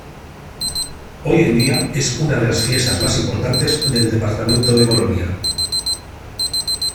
Hoy en día es una de las fiestas más importantes del departamento de Colonia.